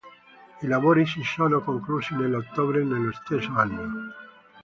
I lavori si sono conclusi nell'ottobre dello stesso anno.